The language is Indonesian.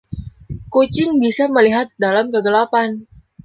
Kucing bisa melihat dalam kegelapan.